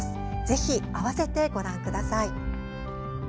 ぜひ、合わせてご覧ください。